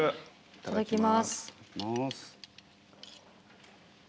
いただきます。